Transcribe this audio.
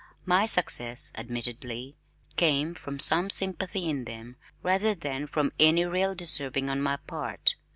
My success, admittedly, came from some sympathy in them rather than from any real deserving on my part.